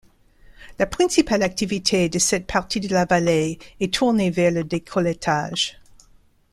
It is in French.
La principale activité de cette partie de la vallée est tournée vers le décolletage.